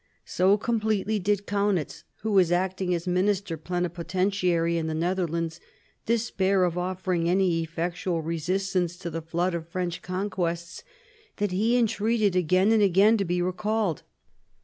So completely did Kaunitz, who was acting as minister plenipotentiary in the Netherlands, despair of offering any effectual resistance to the flood of French conquests, that he entreated again and again to be recalled.